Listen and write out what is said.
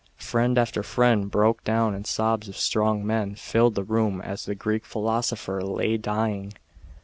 Friend after friend broke down, and sobs of strong men filled the room as the Greek philosopher lay dying.